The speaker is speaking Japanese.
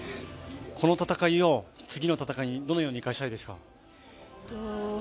この戦いを次の戦いにどのように生かしたいですか？